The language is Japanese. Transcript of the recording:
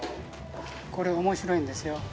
これ面白いんですよ。